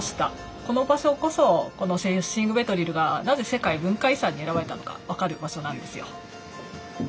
この場所こそこのシングヴェトリルがなぜ世界文化遺産に選ばれたのか分かる場所なんですよ。